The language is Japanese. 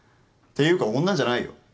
ていうか女じゃないよ